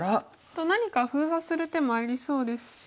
と何か封鎖する手もありそうですし。